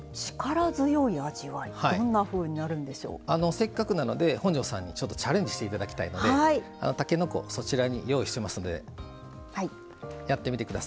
せっかくなので本上さんにチャレンジしていただきたいのでたけのこそちらに用意してますのでやってみてください。